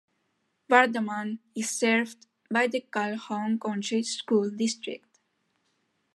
Vardaman is served by the Calhoun County School District.